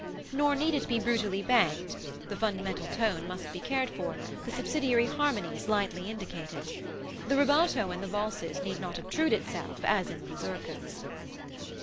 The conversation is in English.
Nor need it be brutally banged; the fundamental tone must be cared for, the subsidiary harmonies lightly indicated. The rubato in the valses need not obtrude itself as in the mazurkas.